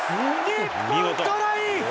日本トライ！